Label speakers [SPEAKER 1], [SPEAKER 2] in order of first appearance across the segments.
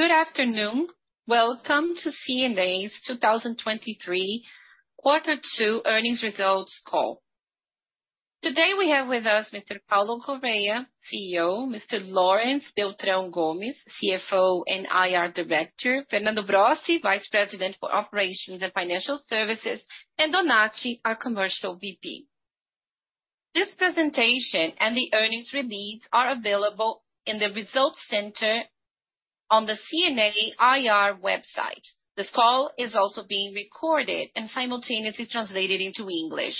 [SPEAKER 1] Good afternoon. Welcome to C&A's 2023 Q2 earnings results call. Today, we have with us Mr. Paulo Correa, CEO, Mr. Laurence Beltrão Gomes, CFO and IR Director, Fernando Brossi, Vice President for Operations and Financial Services, and Donati, our Commercial VP. This presentation and the earnings release are available in the results center on the C&A IR website. This call is also being recorded and simultaneously translated into English.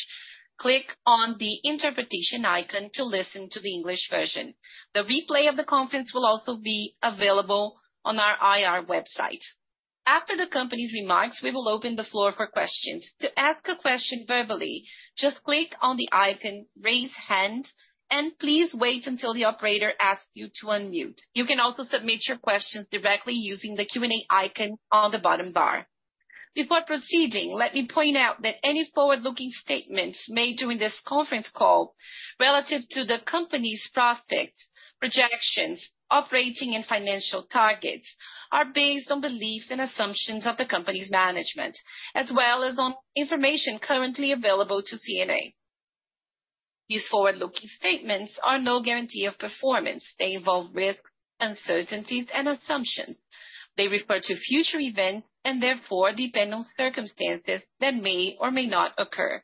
[SPEAKER 1] Click on the interpretation icon to listen to the English version. The replay of the conference will also be available on our IR website. After the company's remarks, we will open the floor for questions. To ask a question verbally, just click on the icon Raise Hand, and please wait until the operator asks you to unmute. You can also submit your questions directly using the Q&A icon on the bottom bar. Before proceeding, let me point out that any forward-looking statements made during this conference call relative to the company's prospects, projections, operating, and financial targets, are based on beliefs and assumptions of the company's management, as well as on information currently available to C&A. These forward-looking statements are no guarantee of performance. They involve risks, uncertainties, and assumptions. They refer to future events and therefore depend on circumstances that may or may not occur.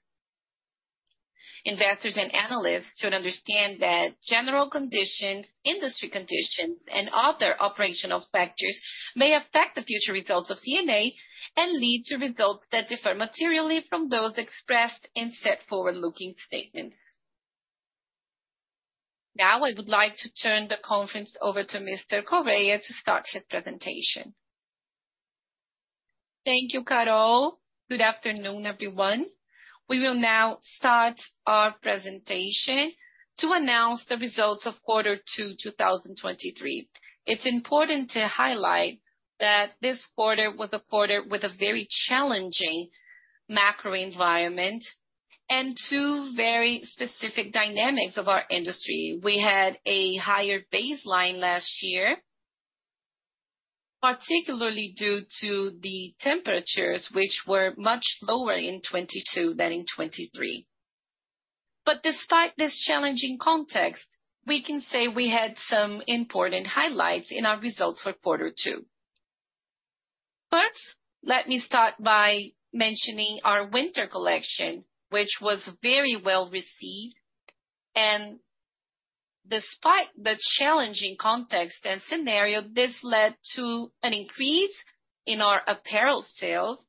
[SPEAKER 1] Investors and analysts should understand that general conditions, industry conditions, and other operational factors may affect the future results of C&A and lead to results that differ materially from those expressed in said forward-looking statement. Now, I would like to turn the conference over to Mr. Correa to start his presentation. Thank you, Carol. Good afternoon, everyone. We will now start our presentation to announce the results of quarter two, 2023.
[SPEAKER 2] It's important to highlight that this quarter was a quarter with a very challenging macro environment and two very specific dynamics of our industry. We had a higher baseline last year, particularly due to the temperatures, which were much lower in 2022 than in 2023. Despite this challenging context, we can say we had some important highlights in our results for quarter two. First, let me start by mentioning our winter collection, which was very well-received, and despite the challenging context and scenario, this led to an increase in our apparel sales.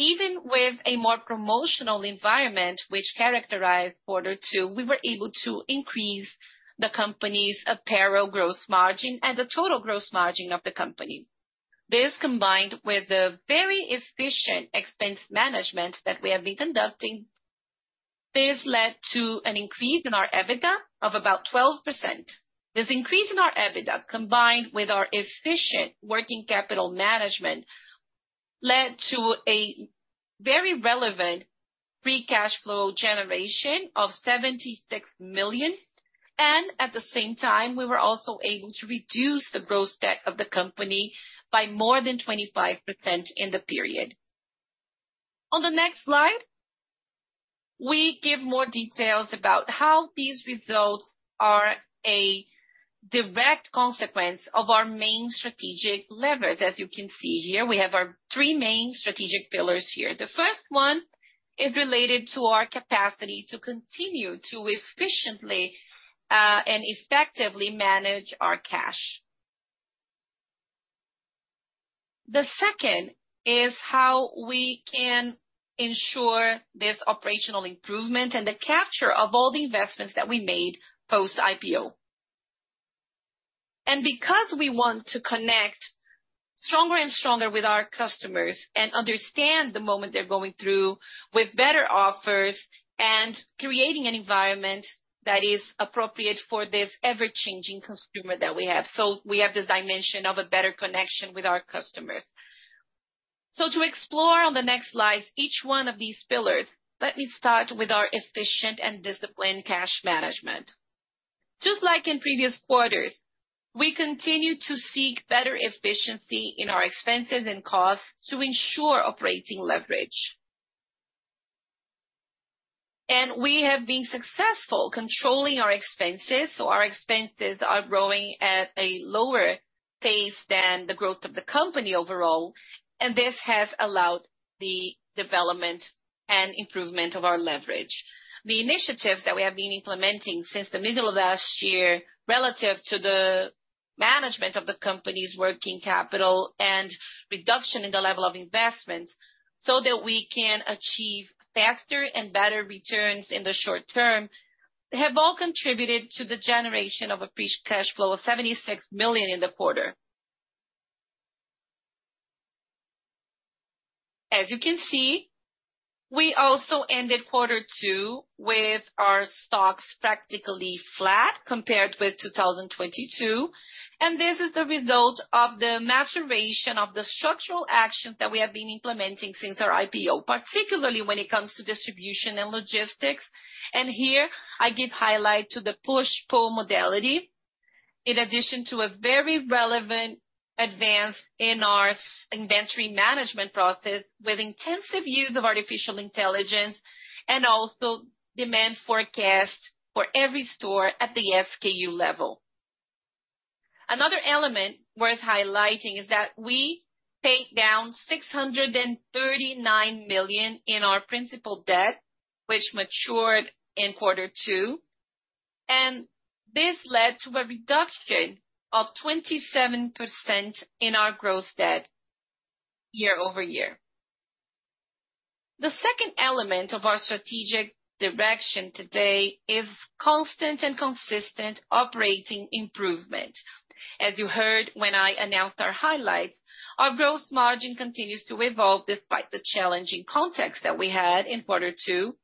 [SPEAKER 2] Even with a more promotional environment, which characterized quarter two, we were able to increase the company's apparel gross margin and the total gross margin of the company. This, combined with the very efficient expense management that we have been conducting, this led to an increase in our EBITDA of about 12%. This increase in our EBITDA, combined with our efficient working capital management, led to a very relevant free cash flow generation of 76 million. At the same time, we were also able to reduce the gross debt of the company by more than 25% in the period. On the next slide, we give more details about how these results are a direct consequence of our main strategic leverage. As you can see here, we have our three main strategic pillars here. The first one is related to our capacity to continue to efficiently and effectively manage our cash. The second is how we can ensure this operational improvement and the capture of all the investments that we made post-IPO. Because we want to connect stronger and stronger with our customers and understand the moment they're going through with better offers and creating an environment that is appropriate for this ever-changing consumer that we have. We have this dimension of a better connection with our customers. To explore on the next slides, each one of these pillars, let me start with our efficient and disciplined cash management. Just like in previous quarters, we continue to seek better efficiency in our expenses and costs to ensure operating leverage. We have been successful controlling our expenses, so our expenses are growing at a lower pace than the growth of the company overall, and this has allowed the development and improvement of our leverage. The initiatives that we have been implementing since the middle of last year, relative to the management of the company's working capital and reduction in the level of investments so that we can achieve faster and better returns in the short term, have all contributed to the generation of a free cash flow of 76 million in the quarter. As you can see, we also ended quarter two with our stocks practically flat compared with 2022. This is the result of the maturation of the structural actions that we have been implementing since our IPO, particularly when it comes to distribution and logistics. Here, I give highlight to the push-pull modality in addition to a very relevant advance in our inventory management process, with intensive use of artificial intelligence and also demand forecast for every store at the SKU level. Another element worth highlighting is that we paid down 639 million in our principal debt, which matured in quarter two, and this led to a reduction of 27% in our gross debt year-over-year. The second element of our strategic direction today is constant and consistent operating improvement. As you heard when I announced our highlights, our gross margin continues to evolve despite the challenging context that we had in quarter two,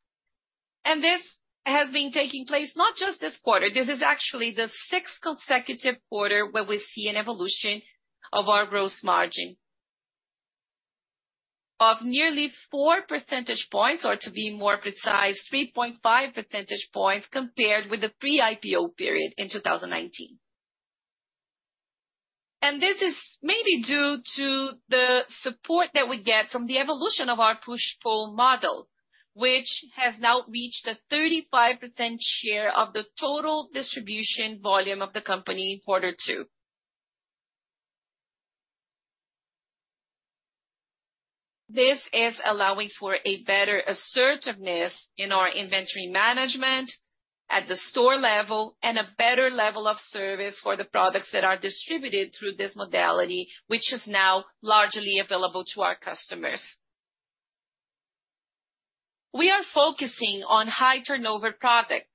[SPEAKER 2] and this has been taking place not just this quarter, this is actually the 6th consecutive quarter where we see an evolution of our gross margin. Of nearly four percentage points, or to be more precise, 3.5 percentage points compared with the pre-IPO period in 2019. This is maybe due to the support that we get from the evolution of our push-pull model, which has now reached a 35% share of the total distribution volume of the company in quarter two. This is allowing for a better assertiveness in our inventory management at the store level, and a better level of service for the products that are distributed through this modality, which is now largely available to our customers. We are focusing on high turnover products,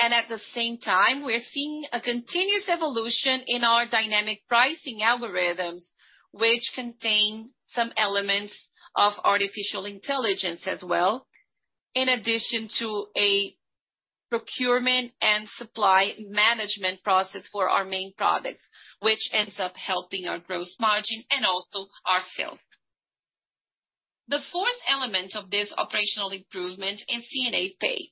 [SPEAKER 2] and at the same time, we're seeing a continuous evolution in our dynamic pricing algorithms, which contain some elements of artificial intelligence as well, in addition to a procurement and supply management process for our main products, which ends up helping our gross margin and also our sales. The fourth element of this operational improvement is C&A Pay.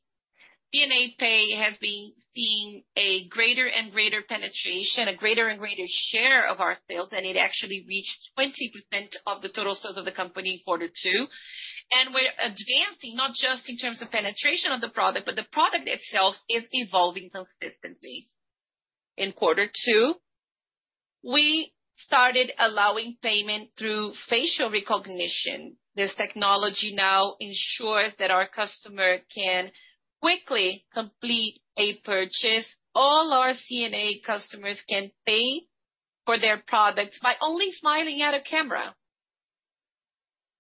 [SPEAKER 2] C&A Pay has been seeing a greater and greater penetration, a greater and greater share of our sales, it actually reached 20% of the total sales of the company in quarter two. We're advancing, not just in terms of penetration of the product, but the product itself is evolving consistently. In quarter two, we started allowing payment through facial recognition. This technology now ensures that our customer can quickly complete a purchase. All our C&A customers can pay for their products by only smiling at a camera.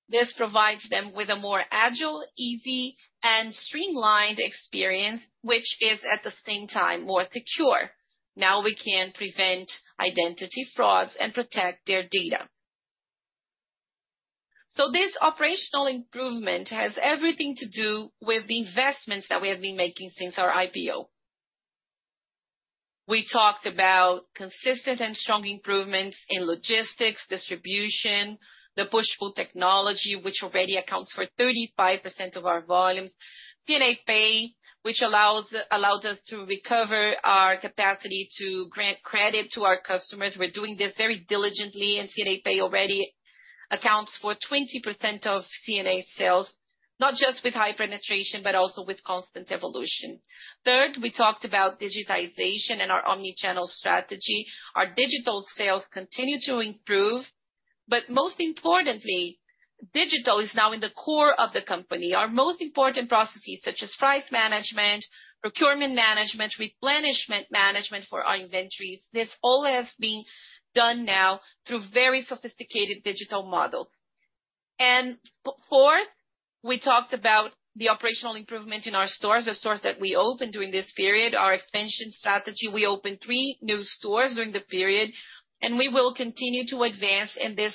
[SPEAKER 2] This provides them with a more agile, easy, and streamlined experience, which is, at the same time, more secure. Now we can prevent identity frauds and protect their data. This operational improvement has everything to do with the investments that we have been making since our IPO. We talked about consistent and strong improvements in logistics, distribution, the push-pull, which already accounts for 35% of our volumes. C&A Pay, which allows us to recover our capacity to grant credit to our customers. We're doing this very diligently. C&A Pay already accounts for 20% of C&A sales, not just with high penetration, but also with constant evolution. Third, we talked about digitization and our omnichannel strategy. Our digital sales continue to improve. Most importantly, digital is now in the core of the company. Our most important processes, such as price management, procurement management, replenishment management for our inventories, this all has been done now through very sophisticated digital model. Fourth, we talked about the operational improvement in our stores, the stores that we opened during this period, our expansion strategy. We opened three new stores during the period, and we will continue to advance in this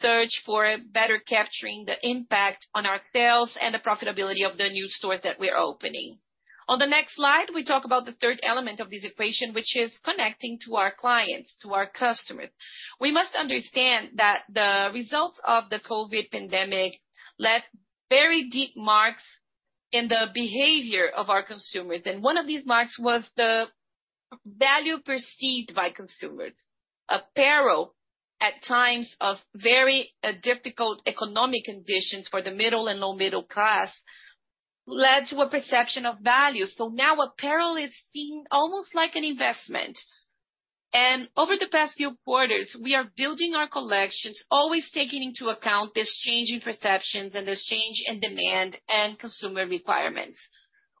[SPEAKER 2] search for better capturing the impact on our sales and the profitability of the new stores that we're opening. On the next slide, we talk about the third element of this equation, which is connecting to our clients, to our customers. We must understand that the results of the COVID pandemic left very deep marks in the behavior of our consumers, and one of these marks was the value perceived by consumers. Apparel, at times of very difficult economic conditions for the middle and low middle class, led to a perception of value. Now apparel is seen almost like an investment. Over the past few quarters, we are building our collections, always taking into account this change in perceptions and this change in demand and consumer requirements.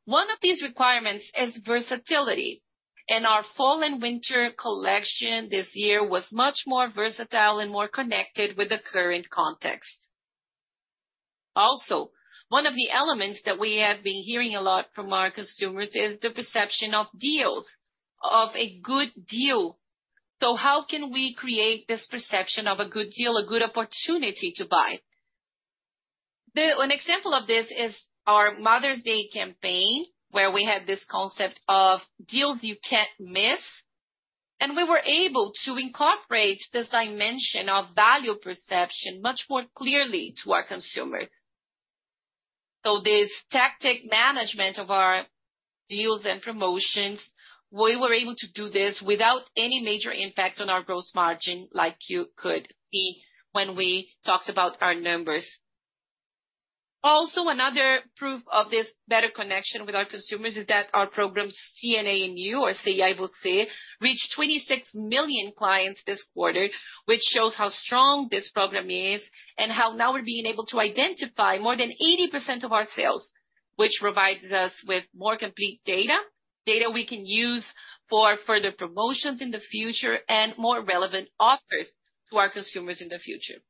[SPEAKER 2] One of these requirements is versatility, and our fall and winter collection this year was much more versatile and more connected with the current context. Also, one of the elements that we have been hearing a lot from our consumers is the perception of deal, of a good deal. How can we create this perception of a good deal, a good opportunity to buy? An example of this is our Mother's Day campaign, where we had this concept of deals you can't miss, and we were able to incorporate this dimension of value perception much more clearly to our consumers. This tactic management of our deals and promotions, we were able to do this without any major impact on our gross margin, like you could see when we talked about our numbers. Another proof of this better connection with our consumers is that our program, C&A and You, or C&A&VC, I would say, reached 26 million clients this quarter, which shows how strong this program is and how now we're being able to identify more than 80% of our sales, which provides us with more complete data. Data we can use for further promotions in the future and more relevant offers to our consumers in the future.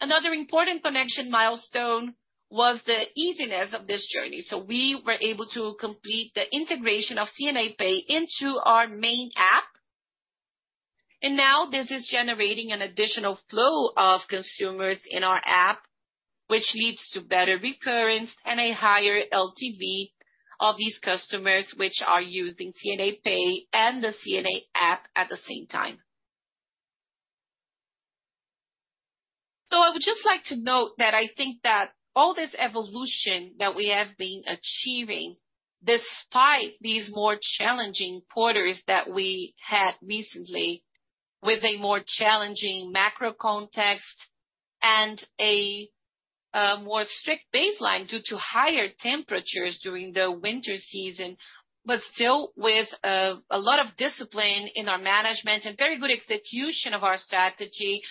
[SPEAKER 2] Another important connection milestone was the easiness of this journey. We were able to complete the integration of C&A Pay into our main app, and now this is generating an additional flow of consumers in our app, which leads to better recurrence and a higher LTV of these customers, which are using C&A Pay and the C&A app at the same time. I would just like to note that I think that all this evolution that we have been achieving, despite these more challenging quarters that we had recently, with a more challenging macro context and a more strict baseline due to higher temperatures during the winter season, but still with a lot of discipline in our management and very good execution of our strategy.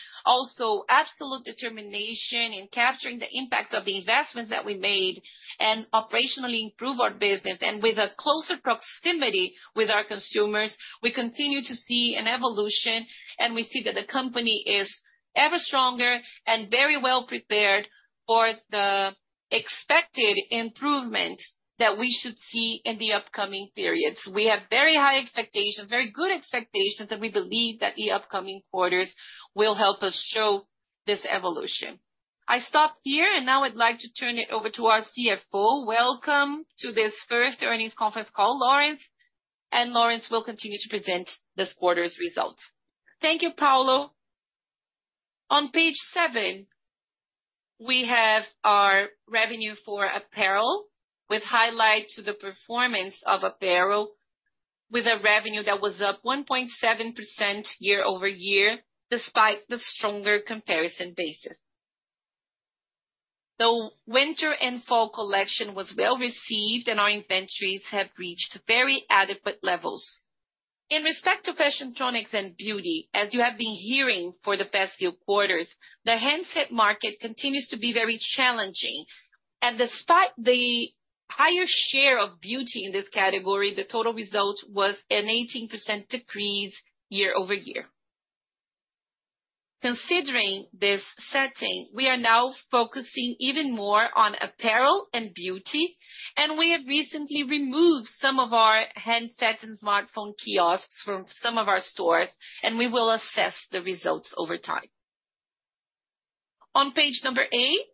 [SPEAKER 2] Absolute determination in capturing the impact of the investments that we made and operationally improve our business. With a closer proximity with our consumers, we continue to see an evolution, and we see that the company is ever stronger and very well prepared for the expected improvement that we should see in the upcoming periods. We have very high expectations, very good expectations, and we believe that the upcoming quarters will help us show this evolution. I stop here, and now I'd like to turn it over to our CFO. Welcome to this first earnings conference call, Lawrence. Lawrence will continue to present this quarter's results.
[SPEAKER 3] Thank you, Paulo. On page seven, we have our revenue for apparel, with highlight to the performance of apparel, with a revenue that was up 1.7% year-over-year, despite the stronger comparison basis. The winter and fall collection was well-received, and our inventories have reached very adequate levels. In respect to Fashiontronics and beauty, as you have been hearing for the past few quarters, the handset market continues to be very challenging. Despite the higher share of beauty in this category, the total result was an 18% decrease year-over-year. Considering this setting, we are now focusing even more on apparel and beauty, we have recently removed some of our handsets and smartphone kiosks from some of our stores, we will assess the results over time. On page number eight,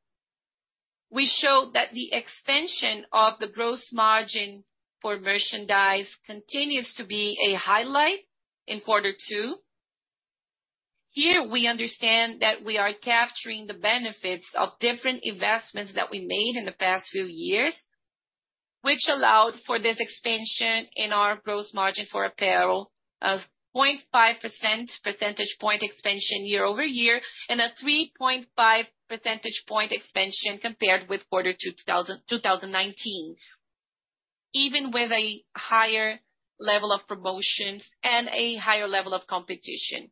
[SPEAKER 3] we show that the expansion of the gross margin for merchandise continues to be a highlight in Q2. Here, we understand that we are capturing the benefits of different investments that we made in the past few years, which allowed for this expansion in our gross margin for apparel of 0.5 percentage point expansion year-over-year, a 3.5 percentage point expansion compared with Q2 2019, even with a higher level of promotions and a higher level of competition.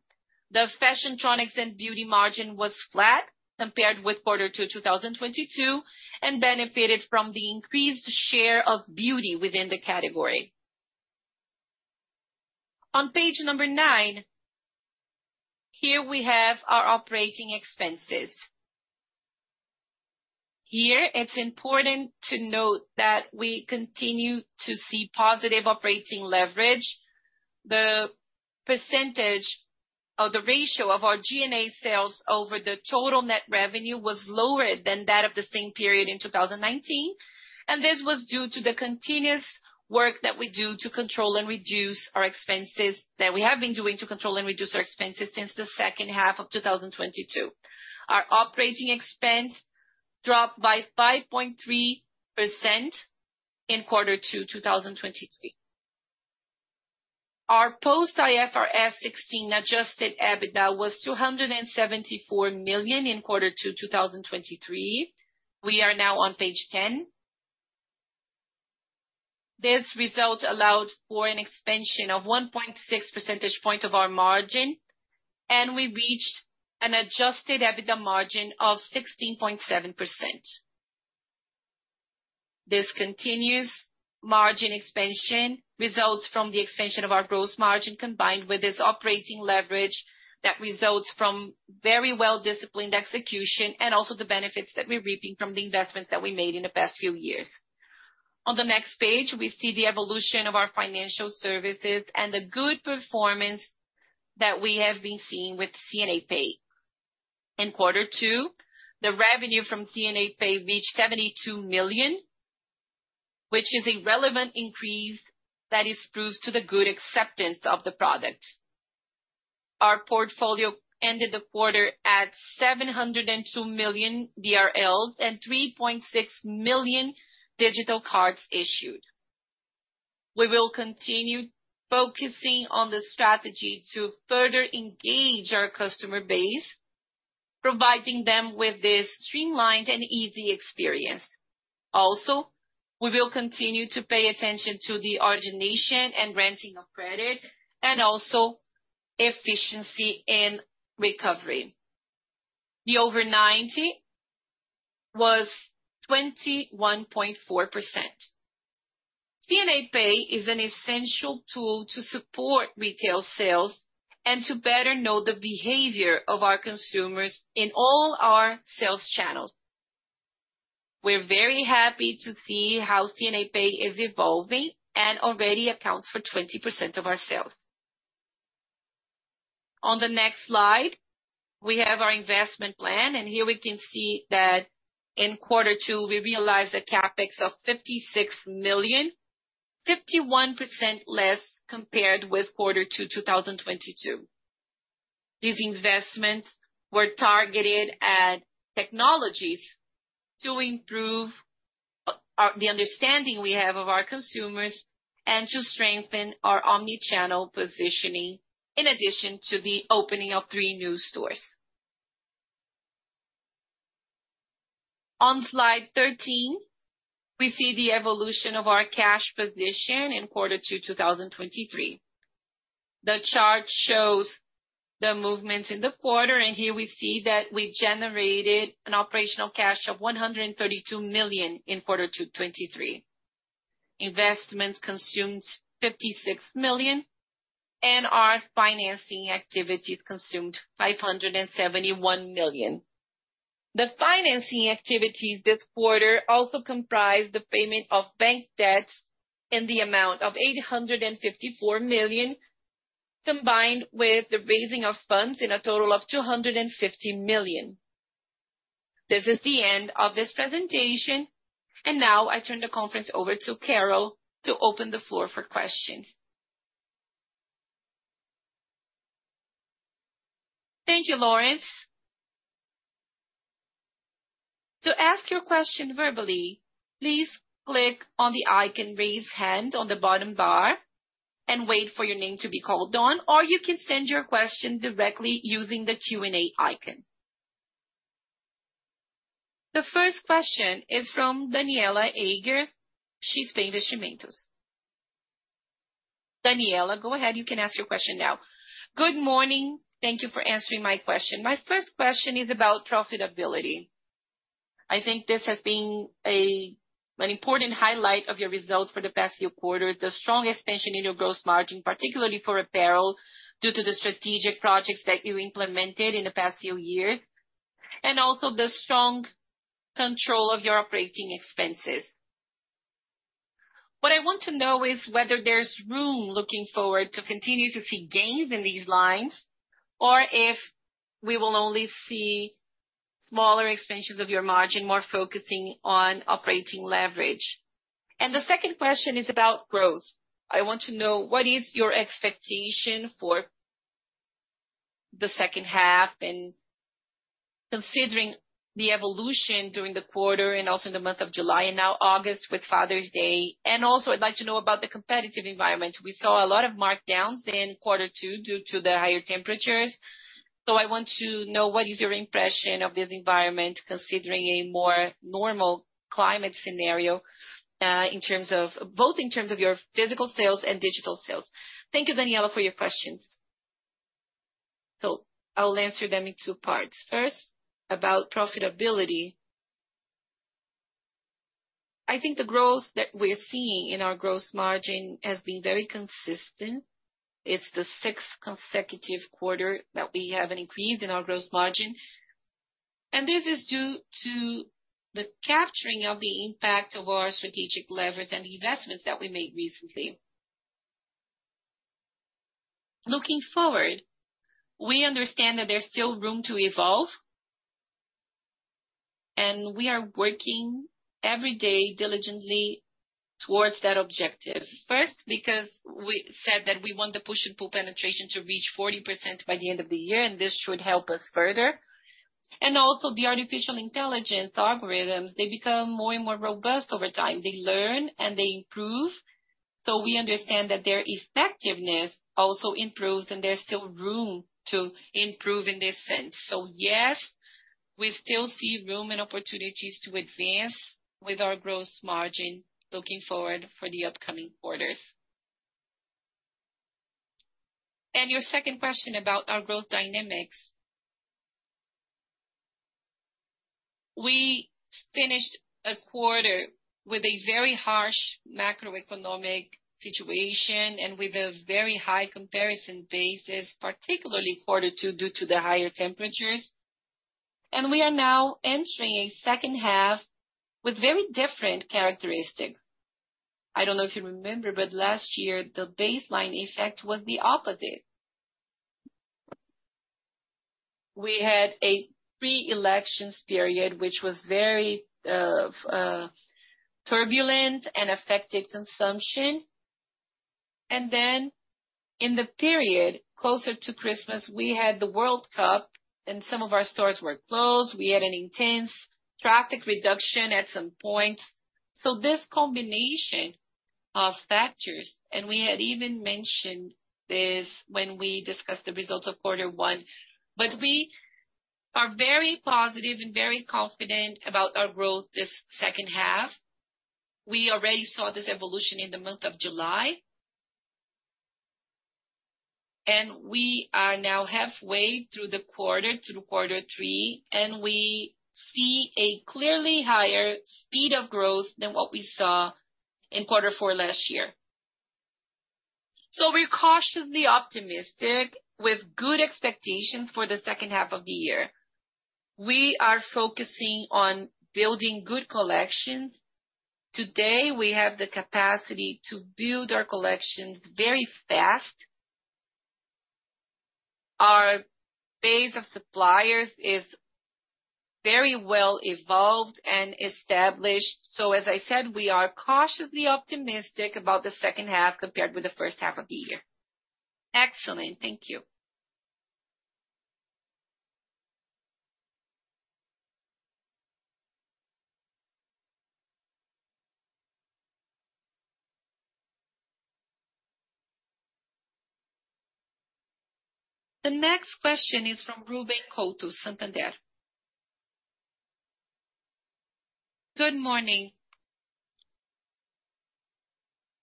[SPEAKER 3] The Fashiontronics and beauty margin was flat compared with Q2 2022 and benefited from the increased share of beauty within the category. On page number nine, here we have our operating expenses. Here, it's important to note that we continue to see positive operating leverage. The percentage or the ratio of our G&A sales over the total net revenue was lower than that of the same period in 2019. This was due to the continuous work that we do to control and reduce our expenses that we have been doing to control and reduce our expenses since the second half of 2022. Our operating expense dropped by 5.3% in Q2 2023. Our post IFRS 16 adjusted EBITDA was 274 million in Q2 2023. We are now on page 10. This result allowed for an expansion of 1.6 percentage point of our margin, and we reached an adjusted EBITDA margin of 16.7%. This continuous margin expansion results from the expansion of our gross margin, combined with this operating leverage that results from very well-disciplined execution, and also the benefits that we're reaping from the investments that we made in the past few years. On the next page, we see the evolution of our financial services and the good performance that we have been seeing with C&A Pay. In Q2, the revenue from C&A Pay reached 72 million, which is a relevant increase that is proves to the good acceptance of the product. Our portfolio ended the quarter at 702 million and 3.6 million digital cards issued. We will continue focusing on the strategy to further engage our customer base, providing them with this streamlined and easy experience. We will continue to pay attention to the origination and granting of credit and also efficiency in recovery. The over 90 was 21.4%. C&A Pay is an essential tool to support retail sales and to better know the behavior of our consumers in all our sales channels. We're very happy to see how C&A Pay is evolving and already accounts for 20% of our sales. On the next slide, we have our investment plan, and here we can see that in Q2, we realized a CapEx of 56 million, 51% less compared with Q2 2022. These investments were targeted at technologies to improve the understanding we have of our consumers and to strengthen our omnichannel positioning, in addition to the opening of three new stores. On slide 13, we see the evolution of our cash position in quarter two, 2023. The chart shows the movement in the quarter, here we see that we generated an operational cash of 132 million in quarter two, 2023. Investments consumed 56 million, our financing activities consumed 571 million. The financing activities this quarter also comprised the payment of bank debts in the amount of 854 million, combined with the raising of funds in a total of 250 million. This is the end of this presentation, now I turn the conference over to Carol to open the floor for questions.
[SPEAKER 2] Thank you, Lawrence.
[SPEAKER 1] To ask your question verbally, please click on the icon, Raise Hand, on the bottom bar and wait for your name to be called on, or you can send your question directly using the Q&A icon. The first question is from Daniela Heger. She's Bank of Chimentos. Daniela, go ahead. You can ask your question now.
[SPEAKER 4] Good morning. Thank you for answering my question. My first question is about profitability. I think this has been an important highlight of your results for the past few quarters, the strong expansion in your gross margin, particularly for apparel, due to the strategic projects that you implemented in the past few years, and also the strong control of your operating expenses. What I want to know is whether there's room looking forward to continue to see gains in these lines, or if we will only see smaller expansions of your margin, more focusing on operating leverage. The second question is about growth. I want to know, what is your expectation for the second half and considering the evolution during the quarter and also in the month of July and now August with Father's Day? Also, I'd like to know about the competitive environment. We saw a lot of markdowns in quarter two due to the higher temperatures. I want to know, what is your impression of this environment, considering a more normal climate scenario, both in terms of your physical sales and digital sales?
[SPEAKER 2] Thank you, Daniela, for your questions. I'll answer them in two parts. First, about profitability. I think the growth that we're seeing in our gross margin has been very consistent. It's the sixth consecutive quarter that we have an increase in our gross margin, and this is due to the capturing of the impact of our strategic leverage and the investments that we made recently. Looking forward, we understand that there's still room to evolve, and we are working every day diligently towards that objective. First, because we said that we want the push-pull penetration to reach 40% by the end of the year, and this should help us further. Also, the artificial intelligence algorithms, they become more and more robust over time. They learn, and they improve. We understand that their effectiveness also improves, and there's still room to improve in this sense. Yes, we still see room and opportunities to advance with our gross margin looking forward for the upcoming quarters. Your second question about our growth dynamics. We finished a quarter with a very harsh macroeconomic situation and with a very high comparison basis, particularly quarter two, due to the higher temperatures, and we are now entering a second half with very different characteristics. I don't know if you remember, but last year, the baseline effect was the opposite. We had a pre-elections period, which was very turbulent and affected consumption. In the period closer to Christmas, we had the World Cup, and some of our stores were closed. We had an intense traffic reduction at some points. This combination of factors, and we had even mentioned this when we discussed the results of quarter one, but we are very positive and very confident about our growth this second half. We already saw this evolution in the month of July. We are now halfway through the quarter, through quarter three, and we see a clearly higher speed of growth than what we saw in quarter four last year. We're cautiously optimistic with good expectations for the second half of the year. We are focusing on building good collections. Today, we have the capacity to build our collections very fast. Our base of suppliers is very well evolved and established. As I said, we are cautiously optimistic about the second half compared with the first half of the year.
[SPEAKER 4] Excellent. Thank you.
[SPEAKER 1] The next question is from Ruben Couto, Santander.
[SPEAKER 5] Good morning.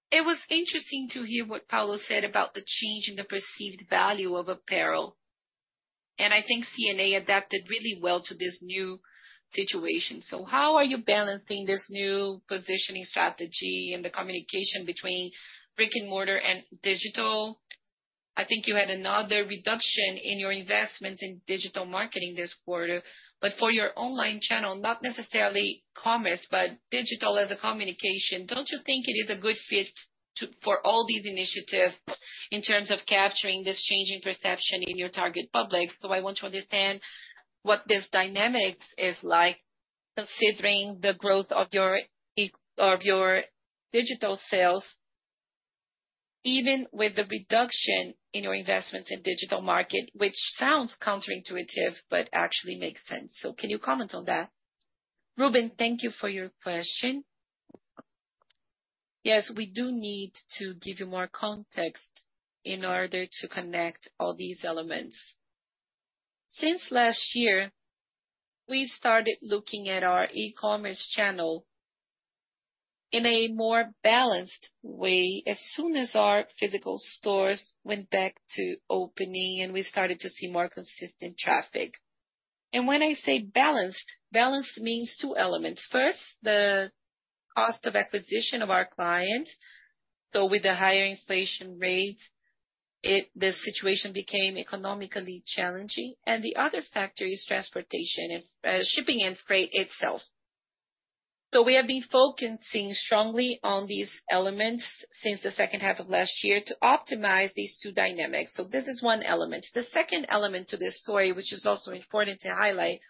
[SPEAKER 5] It was interesting to hear what Paulo said about the change in the perceived value of apparel, I think C&A adapted really well to this new situation. How are you balancing this new positioning strategy and the communication between brick and mortar and digital? I think you had another reduction in your investment in digital marketing this quarter, for your online channel, not necessarily commerce, but digital as a communication, don't you think it is a good fit for all these initiatives in terms of capturing this changing perception in your target public? I want to understand what this dynamics is like, considering the growth of your of your digital sales, even with the reduction in your investments in digital marketing, which sounds counterintuitive, but actually makes sense. Can you comment on that?
[SPEAKER 2] Ruben, thank you for your question. Yes, we do need to give you more context in order to connect all these elements. Since last year, we started looking at our e-commerce channel in a more balanced way as soon as our physical stores went back to opening, and we started to see more consistent traffic. When I say balanced, balanced means two elements. First, the cost of acquisition of our clients. With the higher inflation rates, it-- the situation became economically challenging, and the other factor is transportation and shipping and freight itself. We have been focusing strongly on these elements since the 2nd half of last year to optimize these 2 dynamics. This is one element. The second element to this story, which is also important to highlight,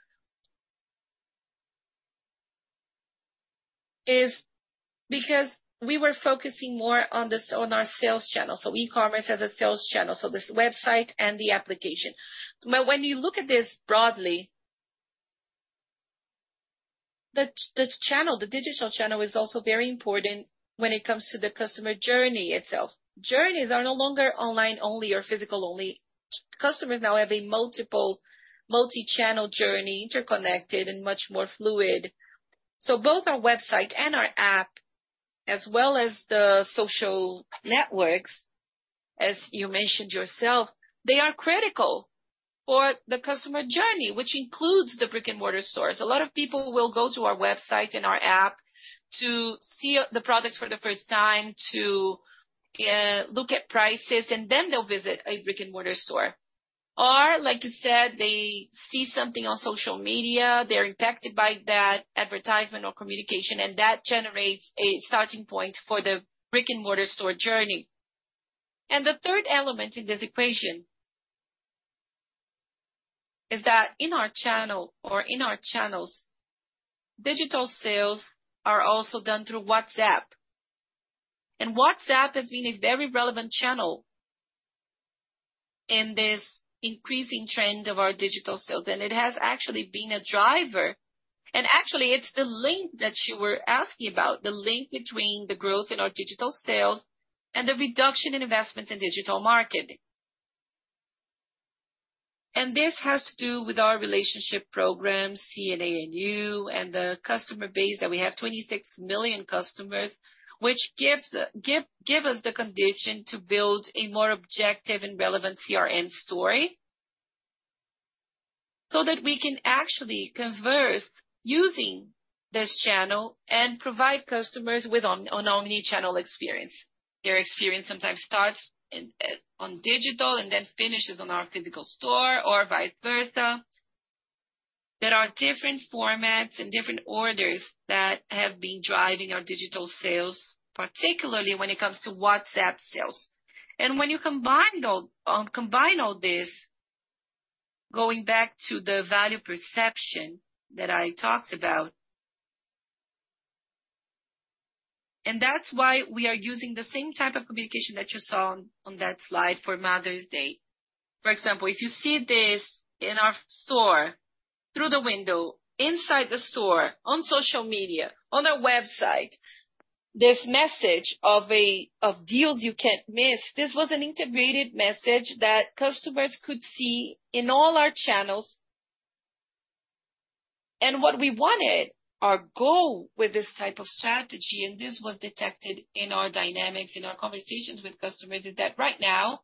[SPEAKER 2] is because we were focusing more on our sales channel, so e-commerce as a sales channel, so this website and the application. When you look at this broadly, the channel, the digital channel, is also very important when it comes to the customer journey itself. Journeys are no longer online only or physical only. Customers now have a multiple, multi-channel journey, interconnected and much more fluid. Both our website and our app, as well as the social networks, as you mentioned yourself, they are critical for the customer journey, which includes the brick-and-mortar stores. A lot of people will go to our website and our app to see the products for the first time, to look at prices, and then they'll visit a brick-and-mortar store. Like you said, they see something on social media, they're impacted by that advertisement or communication, and that generates a starting point for the brick-and-mortar store journey. The third element in this equation is that in our channel or in our channels, digital sales are also done through WhatsApp. WhatsApp has been a very relevant channel in this increasing trend of our digital sales, and it has actually been a driver. Actually, it's the link that you were asking about, the link between the growth in our digital sales and the reduction in investments in digital marketing. This has to do with our relationship program, C&A&VC, and the customer base, that we have 26 million customers, which gives us the condition to build a more objective and relevant CRM story, so that we can actually converse using this channel and provide customers with an omnichannel experience. Their experience sometimes starts in, on digital and then finishes on our physical store or vice versa. There are different formats and different orders that have been driving our digital sales, particularly when it comes to WhatsApp sales. When you combine though, combine all this, going back to the value perception that I talked about. That's why we are using the same type of communication that you saw on, on that slide for Mother's Day. For example, if you see this in our store, through the window, inside the store, on social media, on our website, this message of deals you can't miss, this was an integrated message that customers could see in all our channels. What we wanted, our goal with this type of strategy, and this was detected in our dynamics, in our conversations with customers, is that right now,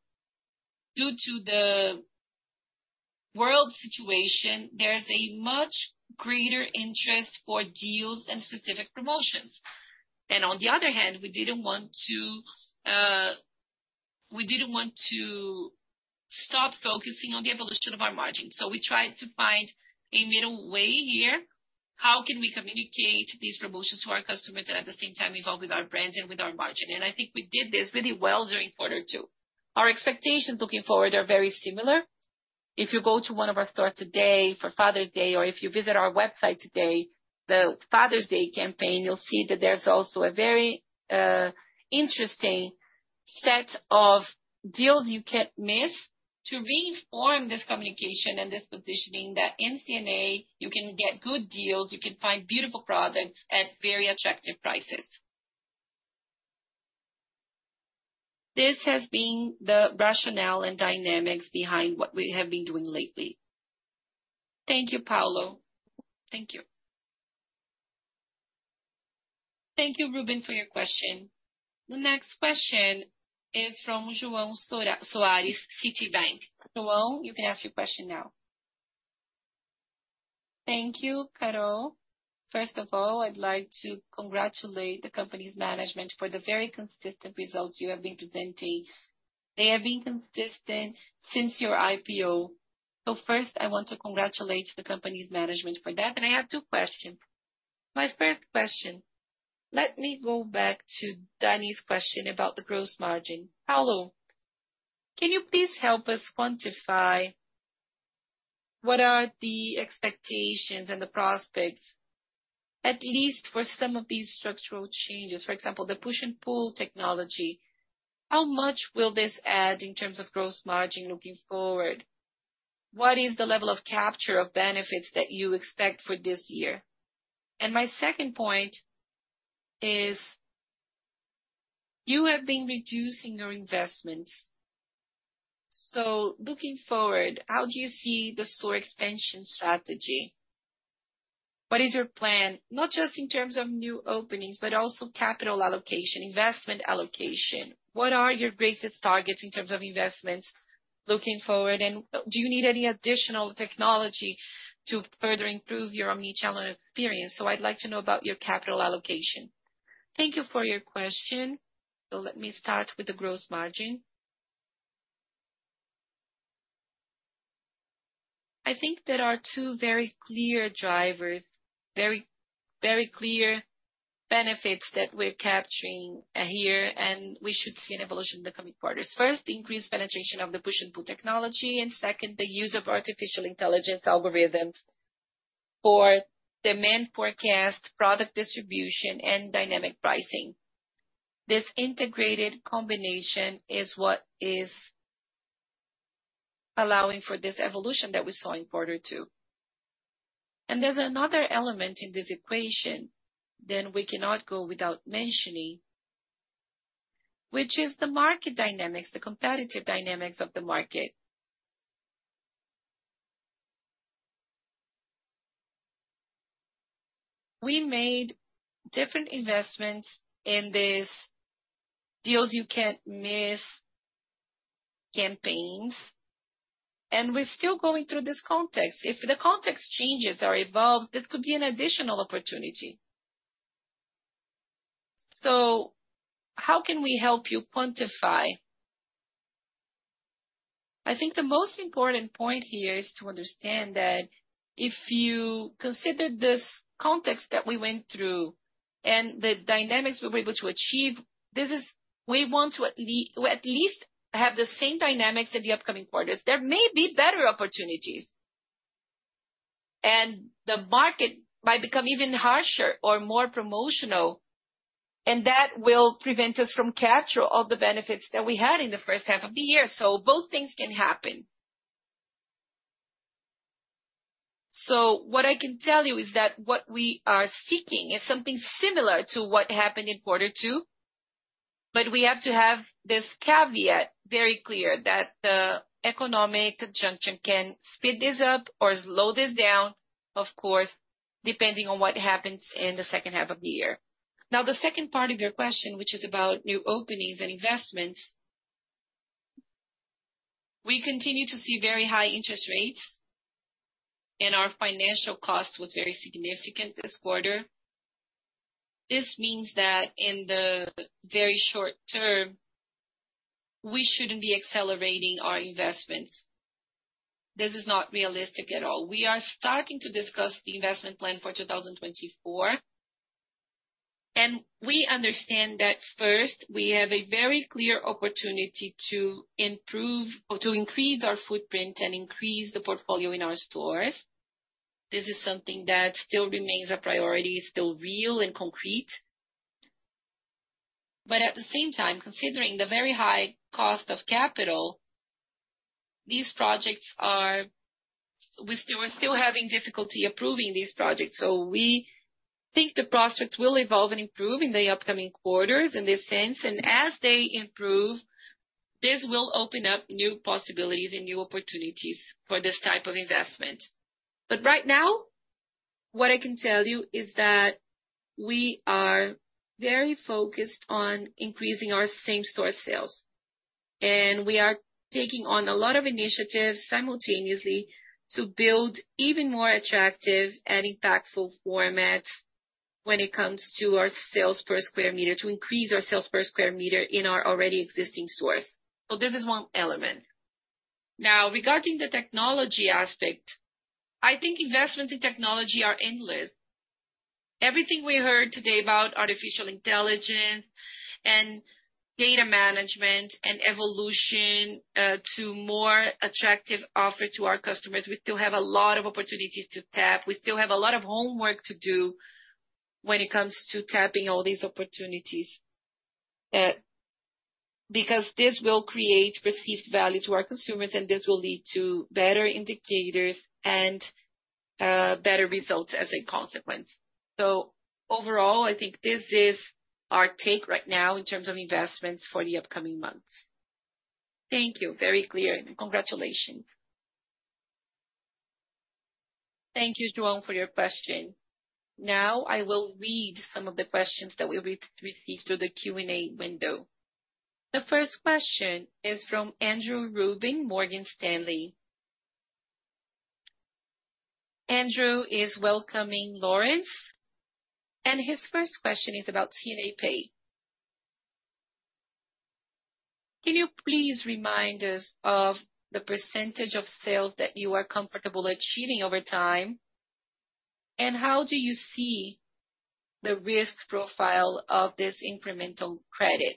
[SPEAKER 2] due to the world situation, there's a much greater interest for deals and specific promotions. On the other hand, we didn't want to stop focusing on the evolution of our margin. We tried to find a middle way here. How can we communicate these promotions to our customers and at the same time evolve with our brand and with our margin? I think we did this really well during quarter two. Our expectations looking forward are very similar. If you go to one of our stores today for Father's Day, or if you visit our website today, the Father's Day campaign, you'll see that there's also a very interesting set of deals you can't miss to reinforce this communication and this positioning, that in C&A, you can get good deals, you can find beautiful products at very attractive prices. This has been the rationale and dynamics behind what we have been doing lately.
[SPEAKER 5] Thank you, Paulo.
[SPEAKER 2] Thank you.
[SPEAKER 1] Thank you, Ruben, for your question. The next question is from João Soares, Citibank. João, you can ask your question now.
[SPEAKER 6] Thank you, Caro. First of all, I'd like to congratulate the company's management for the very consistent results you have been presenting. They have been consistent since your IPO. First, I want to congratulate the company's management for that, and I have two questions. My first question: let me go back to Danny's question about the gross margin. Paulo, can you please help us quantify what are the expectations and the prospects, at least for some of these structural changes? For example, the push-pull technology, how much will this add in terms of gross margin looking forward? What is the level of capture of benefits that you expect for this year? My second point is, you have been reducing your investments. Looking forward, how do you see the store expansion strategy? What is your plan, not just in terms of new openings, but also capital allocation, investment allocation? What are your greatest targets in terms of investments looking forward, and do you need any additional technology to further improve your omnichannel experience? I'd like to know about your capital allocation.
[SPEAKER 2] Thank you for your question. Let me start with the gross margin. I think there are two very clear drivers, very, very clear benefits that we're capturing here, and we should see an evolution in the coming quarters. First, the increased penetration of the push and pull technology, and second, the use of artificial intelligence algorithms for demand forecast, product distribution, and dynamic pricing. This integrated combination is what is allowing for this evolution that we saw in quarter two. There's another element in this equation that we cannot go without mentioning, which is the market dynamics, the competitive dynamics of the market. We made different investments in these deals you can't miss campaigns, and we're still going through this context. If the context changes or evolve, this could be an additional opportunity. How can we help you quantify? I think the most important point here is to understand that if you consider this context that we went through and the dynamics we were able to achieve, we want to at least have the same dynamics in the upcoming quarters. There may be better opportunities, and the market might become even harsher or more promotional, and that will prevent us from capture all the benefits that we had in the first half of the year. Both things can happen. What I can tell you is that what we are seeking is something similar to what happened in quarter two, but we have to have this caveat very clear that the economic conjunction can speed this up or slow this down, of course, depending on what happens in the second half of the year. The second part of your question, which is about new openings and investments, we continue to see very high interest rates. Our financial cost was very significant this quarter. This means that in the very short term, we shouldn't be accelerating our investments. This is not realistic at all. We are starting to discuss the investment plan for 2024, and we understand that first, we have a very clear opportunity to improve or to increase our footprint and increase the portfolio in our stores. This is something that still remains a priority, it's still real and concrete. At the same time, considering the very high cost of capital, these projects, we're still having difficulty approving these projects. We think the prospects will evolve and improve in the upcoming quarters in this sense, and as they improve, this will open up new possibilities and new opportunities for this type of investment. Right now, what I can tell you is that we are very focused on increasing our same-store sales, and we are taking on a lot of initiatives simultaneously to build even more attractive and impactful formats when it comes to our sales per square meter, to increase our sales per square meter in our already existing stores. This is one element. Regarding the technology aspect, I think investments in technology are endless. Everything we heard today about artificial intelligence and data management and evolution, to more attractive offer to our customers, we still have a lot of opportunities to tap. We still have a lot of homework to do when it comes to tapping all these opportunities, because this will create perceived value to our consumers, and this will lead to better indicators and better results as a consequence. Overall, I think this is our take right now in terms of investments for the upcoming months.
[SPEAKER 6] Thank you.
[SPEAKER 2] Very clear.
[SPEAKER 1] Congratulations. Thank you, João, for your question. Now, I will read some of the questions that we received through the Q&A window. The first question is from Andrew Ruben, Morgan Stanley. Andrew is welcoming Lawrence, and his first question is about C&A Pay. Can you please remind us of the % of sales that you are comfortable achieving over time, and how do you see the risk profile of this incremental credit?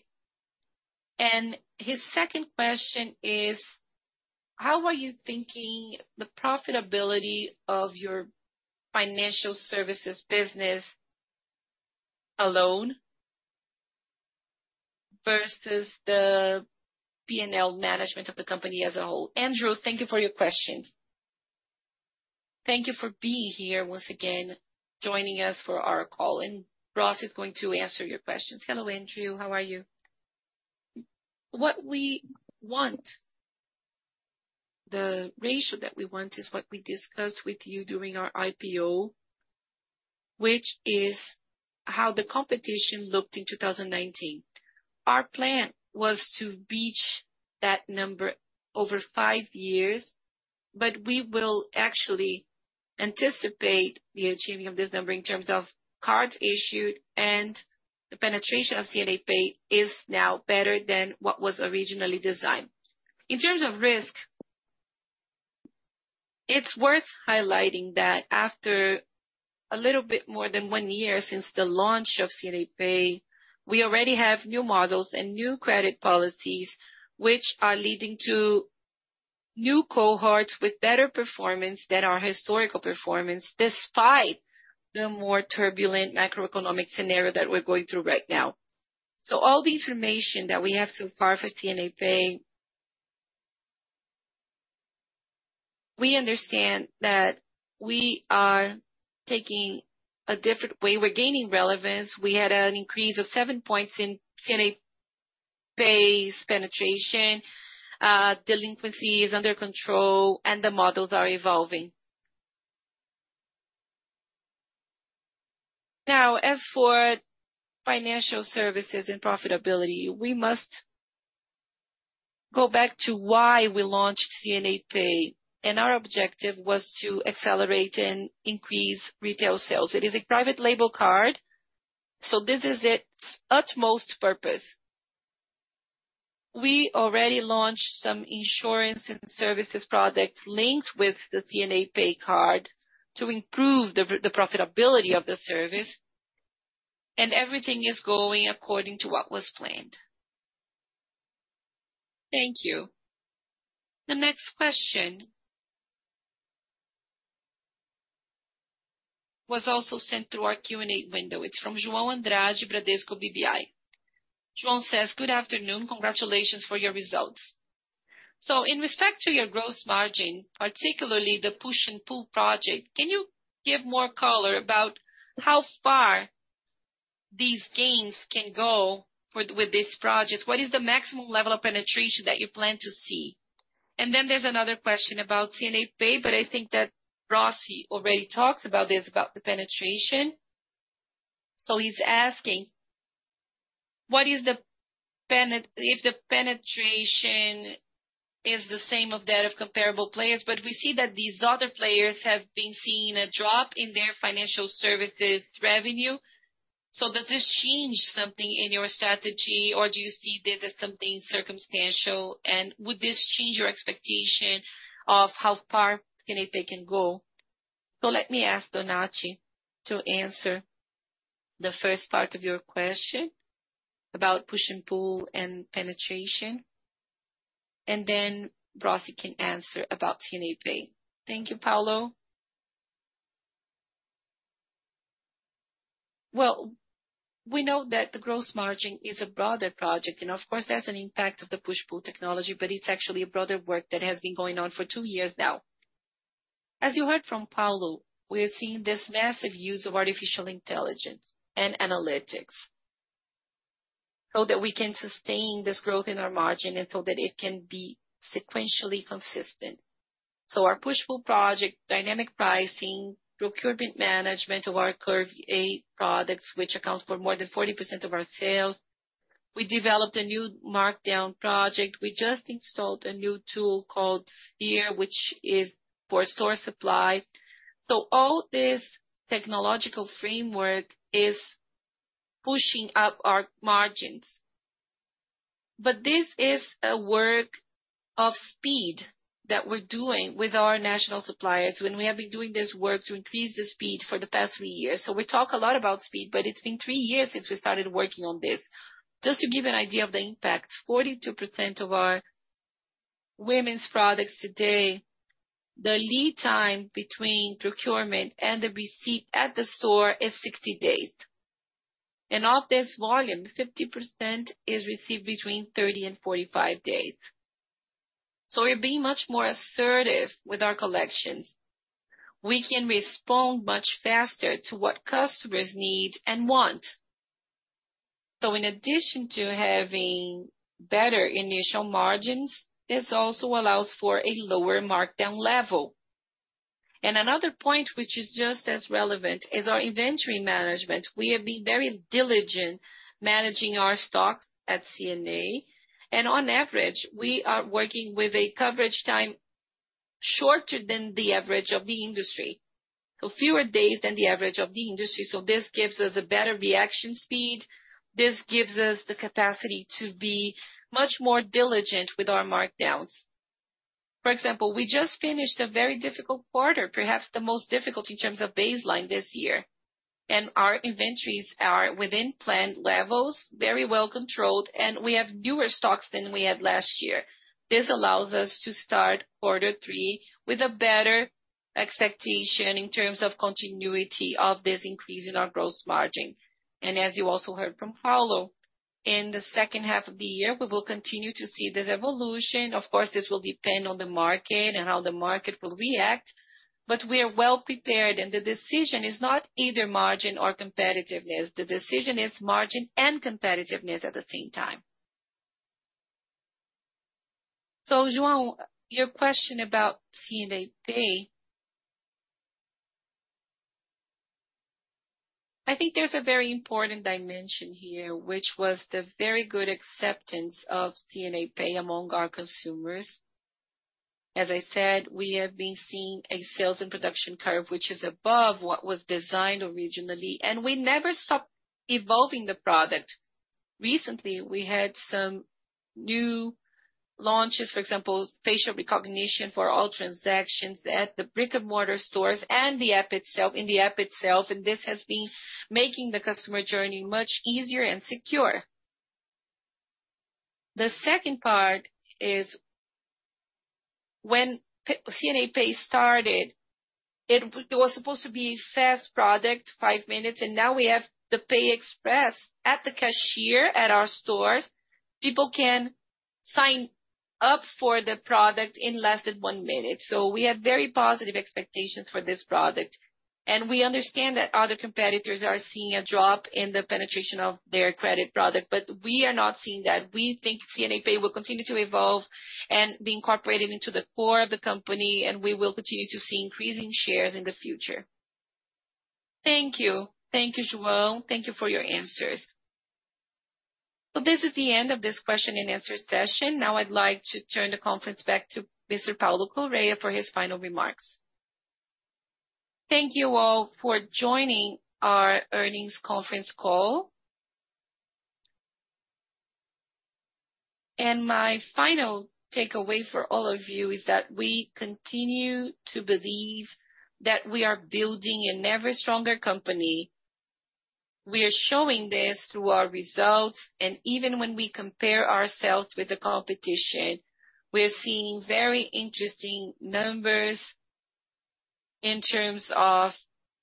[SPEAKER 1] His second question is: How are you thinking the profitability of your financial services business alone versus the P&L management of the company as a whole?
[SPEAKER 3] Andrew, thank you for your questions. Thank you for being here once again, joining us for our call, and Brossi is going to answer your questions. Hello, Andrew, how are you? What we want, the ratio that we want is what we discussed with you during our IPO, which is how the competition looked in 2019. Our plan was to beach that number over five years, but we will actually anticipate the achieving of this number in terms of cards issued, and the penetration of C&A Pay is now better than what was originally designed.
[SPEAKER 2] In terms of risk, it's worth highlighting that after a little bit more than one year since the launch of C&A Pay, we already have new models and new credit policies, which are leading to new cohorts with better performance than our historical performance, despite the more turbulent macroeconomic scenario that we're going through right now. All the information that we have so far for C&A Pay, we understand that we are taking a different way. We're gaining relevance. We had an increase of seven points in C&A Pay's penetration, delinquency is under control, and the models are evolving. As for financial services and profitability, we must go back to why we launched C&A Pay, and our objective was to accelerate and increase retail sales. It is a private label card, this is its utmost purpose. We already launched some insurance and services products linked with the C&A Pay card to improve the profitability of the service, and everything is going according to what was planned.
[SPEAKER 1] Thank you. The next question was also sent through our Q&A window. It's from João Andrade, Bradesco BBI. João says: Good afternoon, congratulations for your results. In respect to your gross margin, particularly the push-pull project, can you give more color about how far these gains can go with these projects? What is the maximum level of penetration that you plan to see? Then there's another question about C&A Pay, but I think that Brossi, he already talked about this, about the penetration. He's asking...
[SPEAKER 2] What is if the penetration is the same of that of comparable players, but we see that these other players have been seeing a drop in their financial services revenue. Does this change something in your strategy, or do you see this as something circumstantial? Would this change your expectation of how far C&A Pay can go? Let me ask Donati to answer the first part of your question about push-pull and penetration, and then Brossi can answer about C&A Pay. Thank you, Paulo.
[SPEAKER 3] Well, we know that the gross margin is a broader project, and of course, that's an impact of the push-pull technology, but it's actually a broader work that has been going on for two years now. As you heard from Paulo, we are seeing this massive use of artificial intelligence and analytics, so that we can sustain this growth in our margin and so that it can be sequentially consistent. Our push-pull project, dynamic pricing, procurement management of our Curva A products, which accounts for more than 40% of our sales. We developed a new markdown project. We just installed a new tool called Sphere, which is for store supply. All this technological framework is pushing up our margins. This is a work of speed that we're doing with our national suppliers, when we have been doing this work to increase the speed for the past 3 years. We talk a lot about speed, but it's been three years since we started working on this. Just to give you an idea of the impact, 42% of our women's products today, the lead time between procurement and the receipt at the store is 60 days. Of this volume, 50% is received between 30 and 45 days. We're being much more assertive with our collections. We can respond much faster to what customers need and want. In addition to having better initial margins, this also allows for a lower markdown level. Another point, which is just as relevant, is our inventory management. We have been very diligent managing our stock at C&A, and on average, we are working with a coverage time shorter than the average of the industry. Fewer days than the average of the industry, so this gives us a better reaction speed. This gives us the capacity to be much more diligent with our markdowns. For example, we just finished a very difficult quarter, perhaps the most difficult in terms of baseline this year, and our inventories are within planned levels, very well controlled, and we have fewer stocks than we had last year. This allows us to start quarter three with a better expectation in terms of continuity of this increase in our gross margin. As you also heard from Paulo, in the second half of the year, we will continue to see this evolution. Of course, this will depend on the market and how the market will react, but we are well prepared, and the decision is not either margin or competitiveness. The decision is margin and competitiveness at the same time. João, your question about C&A Pay, I think there's a very important dimension here, which was the very good acceptance of C&A Pay among our consumers. As I said, we have been seeing a sales and production curve, which is above what was designed originally, and we never stopped evolving the product. Recently, we had some new launches, for example, facial recognition for all transactions at the brick-and-mortar stores and in the app itself, and this has been making the customer journey much easier and secure. The second part is, when C&A Pay started, it was supposed to be fast product, five minutes, and now we have the Pay Express. At the cashier at our stores, people can sign up for the product in less than one minute. So we have very positive expectations for this product, and we understand that other competitors are seeing a drop in the penetration of their credit product, but we are not seeing that. We think C&A Pay will continue to evolve and be incorporated into the core of the company, and we will continue to see increasing shares in the future. Thank you.
[SPEAKER 1] Thank you, João. Thank you for your answers. This is the end of this question and answer session. Now, I'd like to turn the conference back to Mr. Paulo Correa for his final remarks.
[SPEAKER 2] Thank you all for joining our earnings conference call. My final takeaway for all of you is that we continue to believe that we are building an ever stronger company. We are showing this through our results, and even when we compare ourselves with the competition, we are seeing very interesting numbers in terms of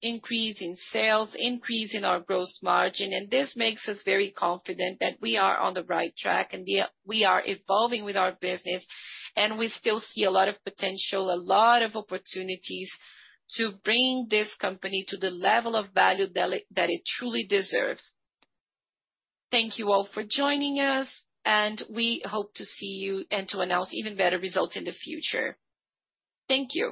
[SPEAKER 2] increase in sales, increase in our gross margin, and this makes us very confident that we are on the right track and we are, we are evolving with our business, and we still see a lot of potential, a lot of opportunities to bring this company to the level of value that it, that it truly deserves. Thank you all for joining us, and we hope to see you and to announce even better results in the future. Thank you.